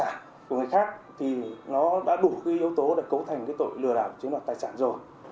sau đó chiếm đoạn tài sản của người khác thì nó đã đủ cái yếu tố để cấu thành cái tội lừa đảo chiếm đoạn tài sản rồi